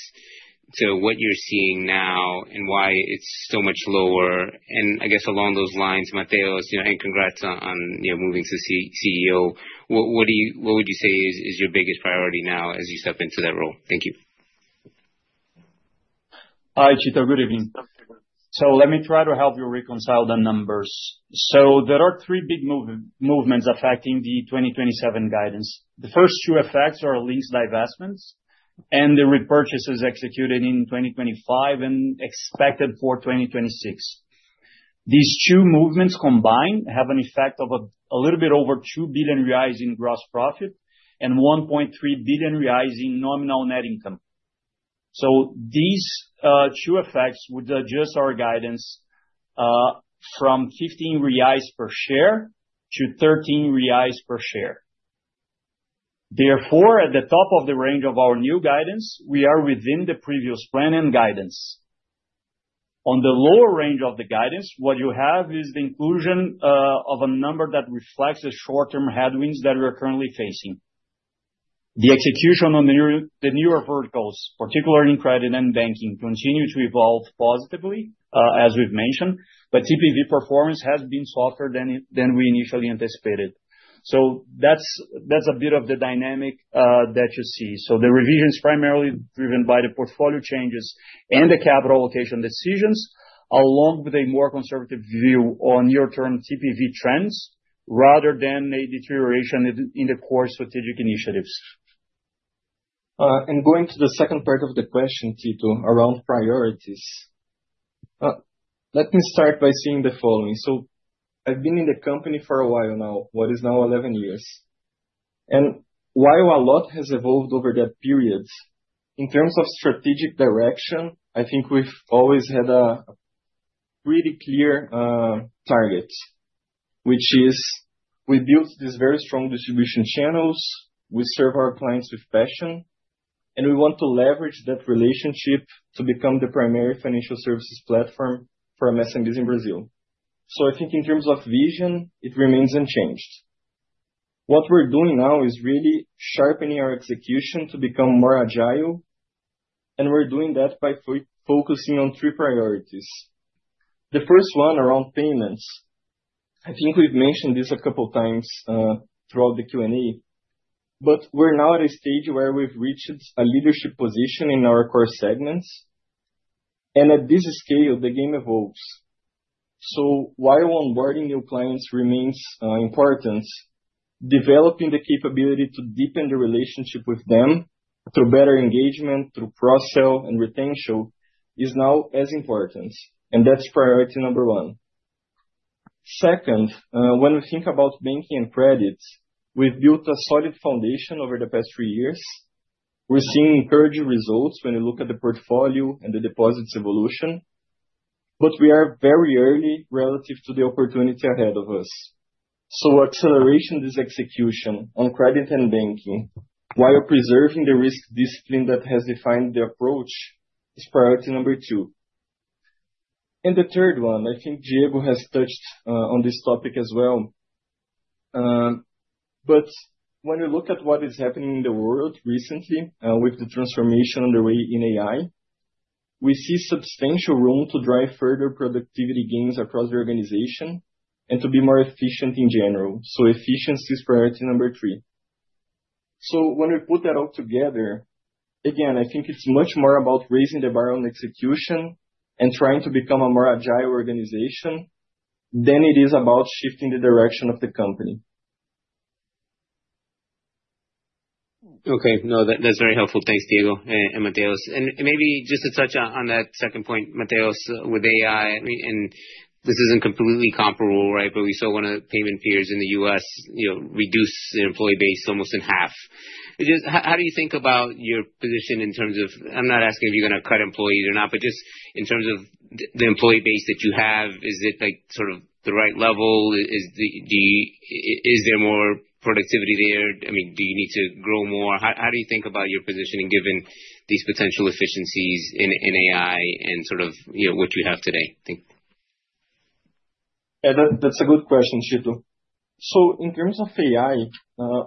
to what you're seeing now and why it's so much lower? I guess along those lines, Mateus, you know, and congrats on, you know, moving to CEO. What would you say is your biggest priority now as you step into that role? Thank you. Hi, Tito. Good evening. Let me try to help you reconcile the numbers. There are three big movements affecting the 2027 guidance. The first two effects are lease divestments and the repurchases executed in 2025 and expected for 2026. These two movements combined have an effect of a little bit over 2 billion reais rise in gross profit and 1.3 billion reais rise in nominal net income. These, two effects would adjust our guidance, from 15 reais per share to 13 reais per share. Therefore, at the top of the range of our new guidance, we are within the previous plan and guidance. On the lower range of the guidance, what you have is the inclusion, of a number that reflects the short-term headwinds that we're currently facing. The execution on the new, the newer verticals, particularly in credit and banking, continue to evolve positively, as we've mentioned. TPV performance has been softer than we initially anticipated. That's a bit of the dynamic that you see. The revision is primarily driven by the portfolio changes and the capital allocation decisions, along with a more conservative view on near-term TPV trends, rather than a deterioration in the core strategic initiatives. Going to the second part of the question, Tito, around priorities. Let me start by saying the following. I've been in the company for a while now, what is now 11 years. While a lot has evolved over that period, in terms of strategic direction, I think we've always had a really clear target, which is we built these very strong distribution channels, we serve our clients with passion, and we want to leverage that relationship to become the primary financial services platform for SMBs in Brazil. I think in terms of vision, it remains unchanged. What we're doing now is really sharpening our execution to become more agile. We're doing that by focusing on 3 priorities. The first one around payments. I think we've mentioned this a couple times, throughout the Q&A, but we're now at a stage where we've reached a leadership position in our core segments. At this scale, the game evolves. While onboarding new clients remains important, developing the capability to deepen the relationship with them through better engagement, through cross-sell and retention is now as important. That's priority number 1. Second, when we think about banking and credits, we've built a solid foundation over the past 3 years. We're seeing encouraging results when we look at the portfolio and the deposits evolution. We are very early relative to the opportunity ahead of us. Acceleration of this execution on credit and banking while preserving the risk discipline that has defined the approach is priority number 2. The third one, I think Diego has touched on this topic as well. When you look at what is happening in the world recently, with the transformation underway in AI, we see substantial room to drive further productivity gains across the organization and to be more efficient in general. Efficiency is priority number three. When we put that all together, again, I think it's much more about raising the bar on execution and trying to become a more agile organization than it is about shifting the direction of the company. Okay. No, that's very helpful. Thanks, Diego and Mateus. Maybe just to touch on that second point, Mateus, with AI, I mean, and this isn't completely comparable, right? We still wanna payment peers in the U.S., you know, reduce the employee base almost in half. Just how do you think about your position in terms of... I'm not asking if you're gonna cut employees or not, but just in terms of the employee base that you have, is it like sort of the right level? Is there more productivity there? I mean, do you need to grow more? How do you think about your positioning given these potential efficiencies in AI and sort of, you know, what you have today? Thank you. Yeah, that's a good question, Tito Labarta. In terms of AI,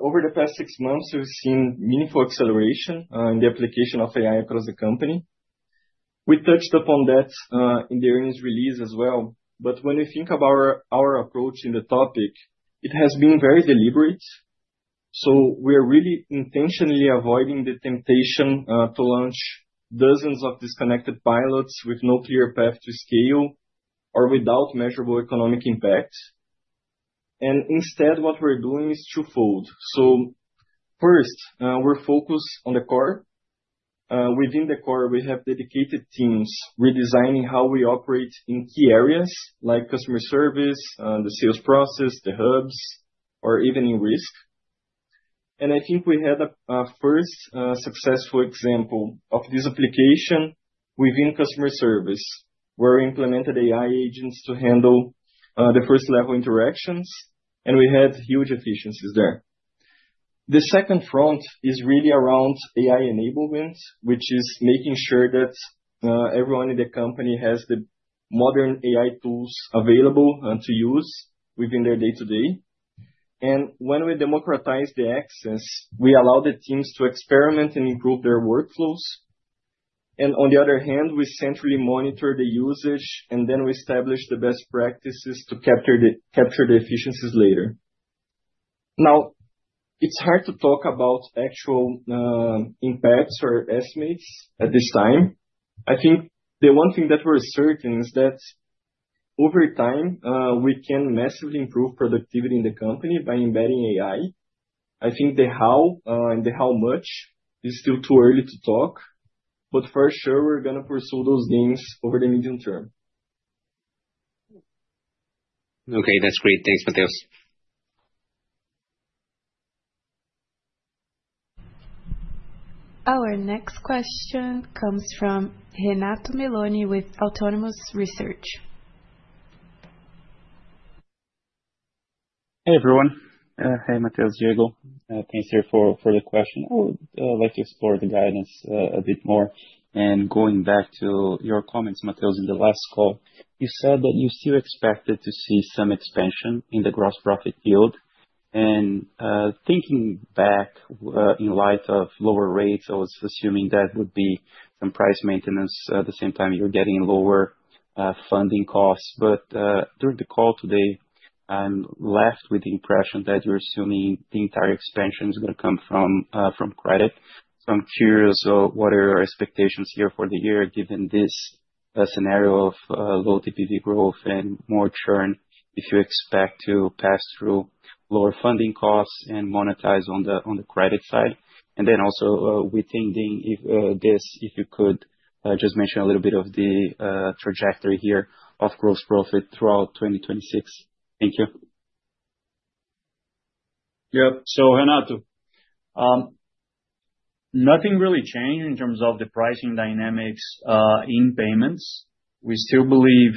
over the past six months, we've seen meaningful acceleration in the application of AI across the company. We touched upon that in the earnings release as well. When you think about our approach in the topic, it has been very deliberate. We're really intentionally avoiding the temptation to launch dozens of disconnected pilots with no clear path to scale or without measurable economic impact. Instead, what we're doing is twofold. First, we're focused on the core. Within the core, we have dedicated teams redesigning how we operate in key areas like customer service, the sales process, the hubs, or even in risk. I think we had a first successful example of this application within customer service, where we implemented AI agents to handle the first level interactions, and we had huge efficiencies there. The second front is really around AI enablement, which is making sure that everyone in the company has the modern AI tools available and to use within their day-to-day. When we democratize the access, we allow the teams to experiment and improve their workflows. On the other hand, we centrally monitor the usage, and then we establish the best practices to capture the efficiencies later. It's hard to talk about actual impacts or estimates at this time. I think the one thing that we're certain is that over time, we can massively improve productivity in the company by embedding AI. I think the how, and the how much is still too early to talk. For sure, we're gonna pursue those gains over the medium term. Okay, that's great. Thanks, Mateus. Our next question comes from Renato Meloni with Autonomous Research. Hey, everyone. Hey, Mateus, Diego. Thanks here for the question. I would like to explore the guidance a bit more. Going back to your comments, Mateus, in the last call, you said that you still expected to see some expansion in the gross profit yield. Thinking back, in light of lower rates, I was assuming that would be some price maintenance at the same time you're getting lower funding costs. During the call today, I'm left with the impression that you're assuming the entire expansion is going to come from credit. I'm curious, what are your expectations here for the year, given this scenario of low TPV growth and more churn, if you expect to pass through lower funding costs and monetize on the credit side? Also, within this, if you could just mention a little bit of the trajectory here of gross profit throughout 2026. Thank you. Renato, nothing really changed in terms of the pricing dynamics in payments. We still believe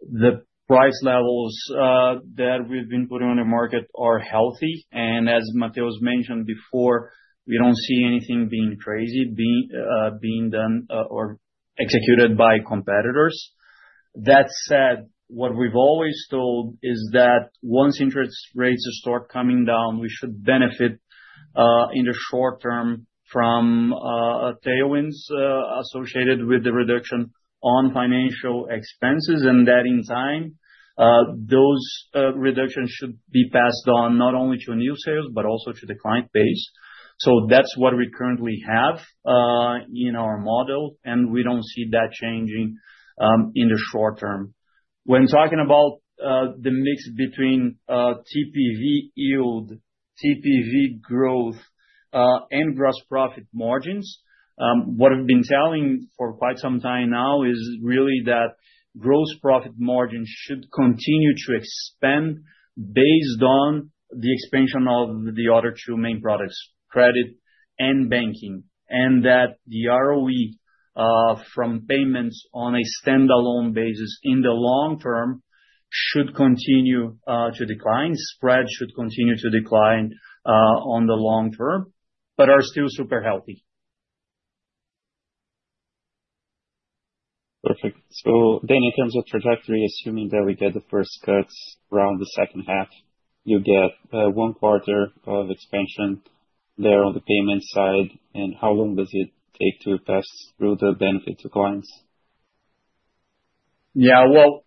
the price levels that we've been putting on the market are healthy. As Mateus mentioned before, we don't see anything being crazy being done or executed by competitors. That said, what we've always told is that once interest rates start coming down, we should benefit in the short term from tailwinds associated with the reduction on financial expenses, and that in time, those reductions should be passed on not only to new sales but also to the client base. That's what we currently have in our model, and we don't see that changing in the short term. When talking about the mix between TPV yield, TPV growth, and gross profit margins, what I've been telling for quite some time now is really that gross profit margin should continue to expand based on the expansion of the other two main products, credit and banking. That the ROE from payments on a standalone basis in the long term should continue to decline. Spread should continue to decline on the long term, but are still super healthy. Perfect. In terms of trajectory, assuming that we get the first cuts around the second half, you get, one quarter of expansion there on the payment side, and how long does it take to pass through the benefit to clients? Well,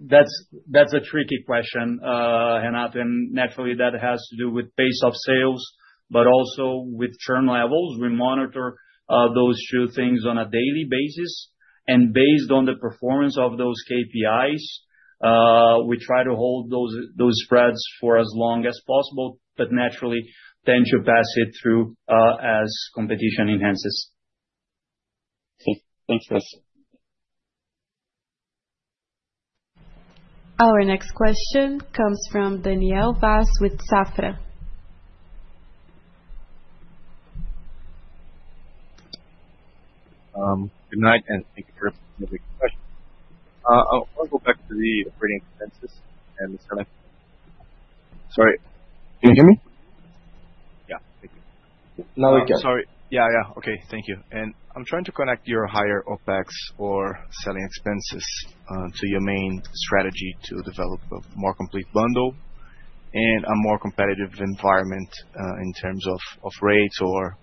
that's a tricky question, and naturally, that has to do with pace of sales, but also with churn levels. We monitor those two things on a daily basis, and based on the performance of those KPIs, we try to hold those spreads for as long as possible, but naturally, then to pass it through as competition enhances. Cool. Thanks, guys. Our next question comes from Daniel Vaz with Safra. Good night, and thank you for taking the question. Let's go back to the operating expenses and the selling... Sorry, can you hear me? Yeah. Now we can. Sorry. Yeah, yeah. Okay, thank you. I'm trying to connect your higher OPEX or selling expenses to your main strategy to develop a more complete bundle and a more competitive environment in terms of rates or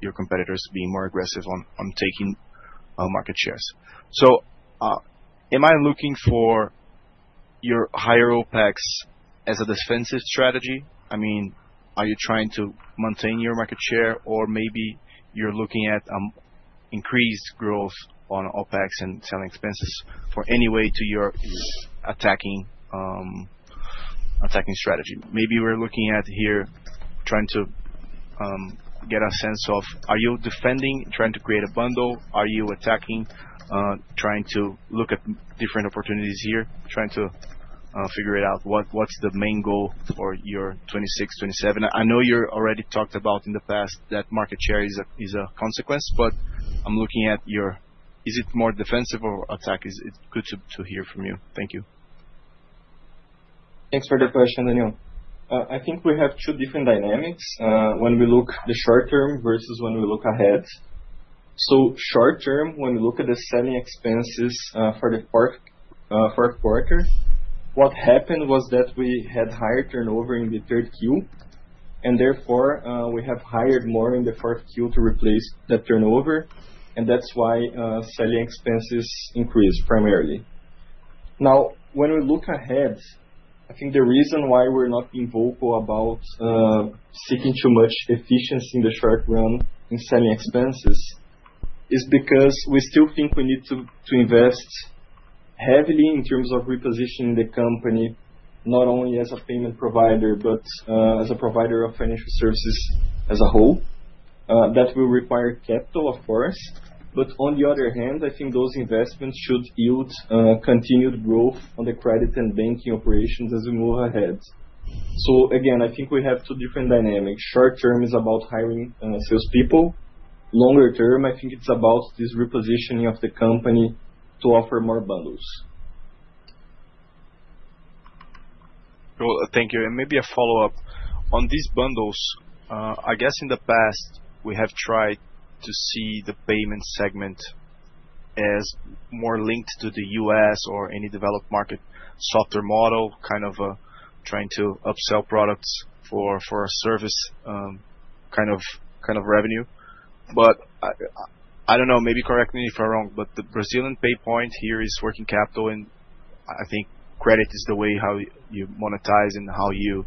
your competitors being more aggressive on taking market shares. Am I looking for your higher OPEX as a defensive strategy? I mean, are you trying to maintain your market share, or maybe you're looking at increased growth on OPEX and selling expenses for any way to your attacking strategy? Maybe we're looking at here trying to get a sense of, are you defending, trying to create a bundle? Are you attacking, trying to look at different opportunities here, trying to figure it out what's the main goal for your 2026, 2027? I know you already talked about in the past that market share is a consequence. I'm looking at your... Is it more defensive or attack? It's good to hear from you. Thank you. Thanks for the question, Daniel Vaz. I think we have two different dynamics when we look the short term versus when we look ahead. Short term, when we look at the selling expenses for the fourth quarter, what happened was that we had higher turnover in the 3rd Q, and therefore, we have hired more in the 4th Q to replace that turnover, and that's why selling expenses increased primarily. When we look ahead, I think the reason why we're not being vocal about seeking too much efficiency in the short run in selling expenses is because we still think we need to invest heavily in terms of repositioning the company not only as a payment provider, but as a provider of financial services as a whole. That will require capital, of course. On the other hand, I think those investments should yield continued growth on the credit and banking operations as we move ahead. Again, I think we have two different dynamics. Short term is about hiring sales people. Longer term, I think it's about this repositioning of the company to offer more bundles. Well, thank you. Maybe a follow-up. On these bundles, I guess in the past, we have tried to see the payment segment as more linked to the U.S. or any developed market software model, kind of, trying to upsell products for a service, kind of, kind of revenue. I don't know, maybe correct me if I'm wrong, but the Brazilian pay point here is working capital, and I think credit is the way how you monetize and how you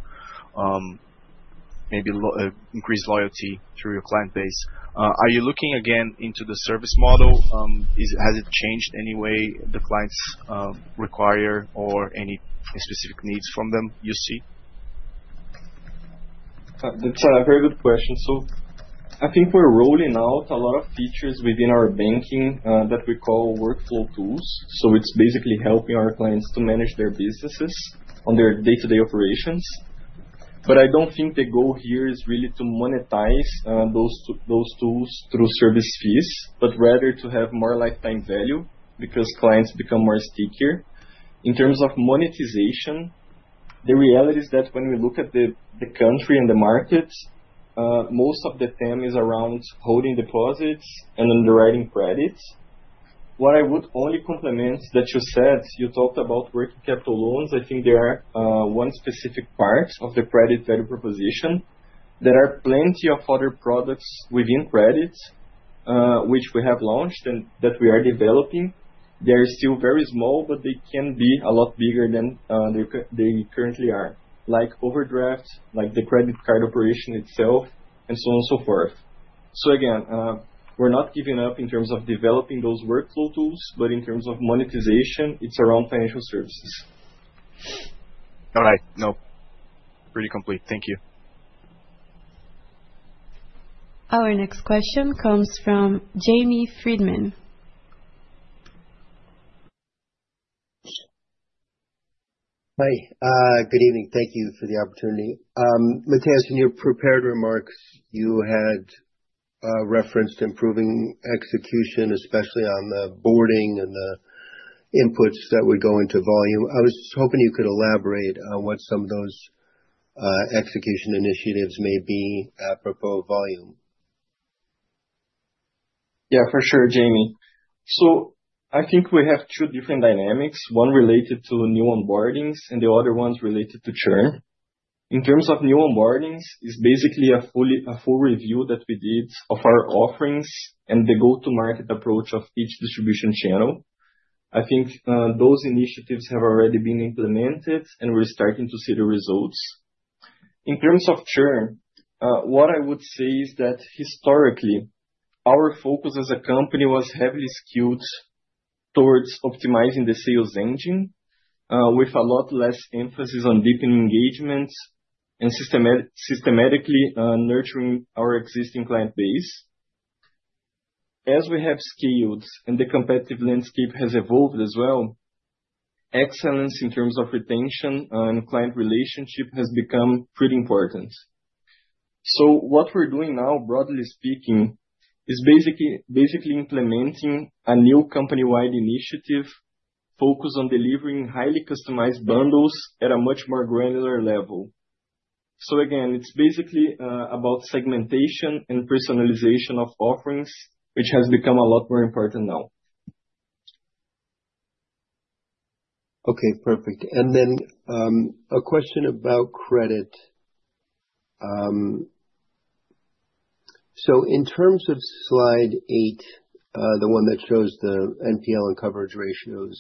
increase loyalty through your client base. Are you looking again into the service model? Has it changed any way the clients require or any specific needs from them you see? That's a very good question. I think we're rolling out a lot of features within our banking that we call workflow tools. It's basically helping our clients to manage their businesses on their day-to-day operations. I don't think the goal here is really to monetize those tools through service fees, but rather to have more lifetime value because clients become more stickier. In terms of monetization. The reality is that when we look at the country and the markets, most of the theme is around holding deposits and underwriting credits. What I would only complement that you said, you talked about working capital loans. I think they are one specific parts of the credit value proposition. There are plenty of other products within credits which we have launched and that we are developing. They're still very small, but they can be a lot bigger than they currently are. Like overdraft, like the credit card operation itself, and so on and so forth. Again, we're not giving up in terms of developing those workflow tools, but in terms of monetization, it's around financial services. All right. No, pretty complete. Thank you. Our next question comes from James Friedman. Hi, good evening. Thank you for the opportunity. Mateus, in your prepared remarks, you had referenced improving execution, especially on the boarding and the inputs that would go into volume. I was hoping you could elaborate on what some of those execution initiatives may be, apropos volume. For sure, Jamie. I think we have two different dynamics. One related to new onboardings and the other one is related to churn. In terms of new onboardings, it's basically a full review that we did of our offerings and the go-to-market approach of each distribution channel. I think those initiatives have already been implemented, and we're starting to see the results. In terms of churn, what I would say is that historically, our focus as a company was heavily skewed towards optimizing the sales engine, with a lot less emphasis on deepening engagement and systematically nurturing our existing client base. As we have scaled and the competitive landscape has evolved as well, excellence in terms of retention and client relationship has become pretty important. What we're doing now, broadly speaking, is basically implementing a new company-wide initiative focused on delivering highly customized bundles at a much more granular level. Again, it's basically about segmentation and personalization of offerings, which has become a lot more important now. Perfect. A question about credit. In terms of slide 8, the one that shows the NPL and coverage ratios,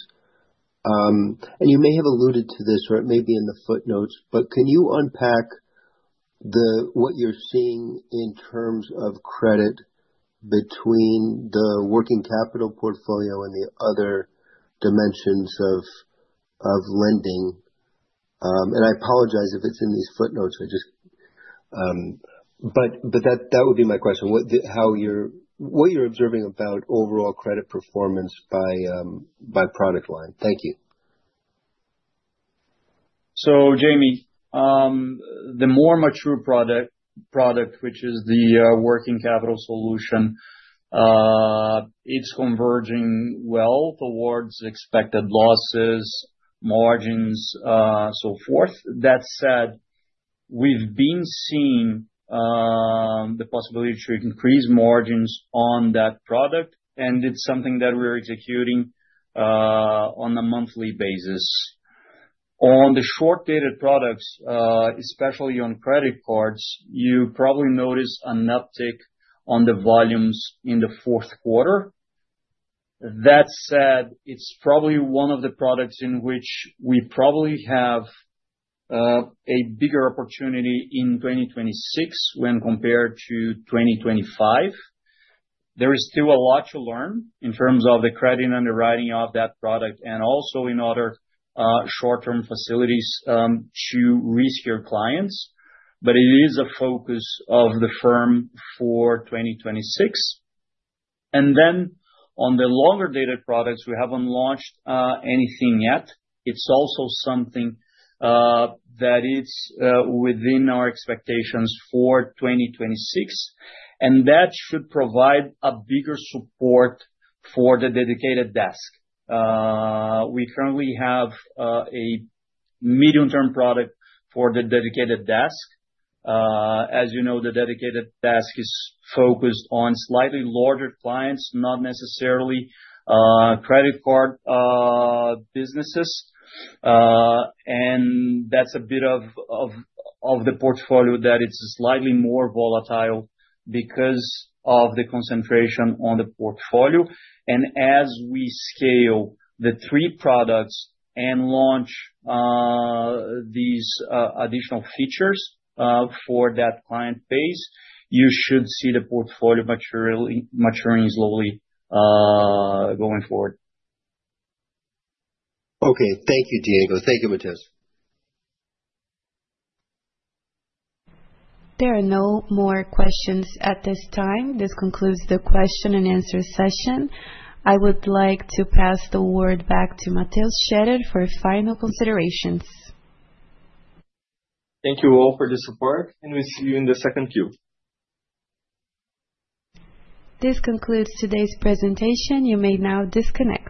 and you may have alluded to this or it may be in the footnotes, but can you unpack what you're seeing in terms of credit between the working capital portfolio and the other dimensions of lending? I apologize if it's in these footnotes. I just. That would be my question. What you're observing about overall credit performance by product line. Thank you. Jamie, the more mature product, which is the working capital solution, it's converging well towards expected losses, margins, so forth. That said, we've been seeing the possibility to increase margins on that product, and it's something that we're executing on a monthly basis. On the short-dated products, especially on credit cards, you probably noticed an uptick on the volumes in the fourth quarter. That said, it's probably one of the products in which we probably have a bigger opportunity in 2026 when compared to 2025. There is still a lot to learn in terms of the credit underwriting of that product and also in other short-term facilities to risk your clients. It is a focus of the firm for 2026. On the longer-dated products, we haven't launched anything yet. It's also something that is within our expectations for 2026, and that should provide a bigger support for the dedicated desk. We currently have a medium-term product for the dedicated desk. As you know, the dedicated desk is focused on slightly larger clients, not necessarily credit card businesses. And that's a bit of the portfolio that is slightly more volatile because of the concentration on the portfolio. And as we scale the 3 products and launch these additional features for that client base, you should see the portfolio maturing slowly going forward. Okay. Thank you, Diego. Thank you, Mateus. There are no more questions at this time. This concludes the question and answer session. I would like to pass the word back to Mateus Scherer for final considerations. Thank you all for the support, and we'll see you in the second Q. This concludes today's presentation. You may now disconnect.